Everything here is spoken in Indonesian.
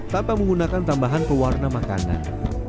tanpa menggunakan tambahan pewarna makanan